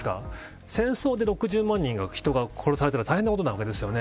戦争で６０万人が殺されたら大変なことなわけですよね。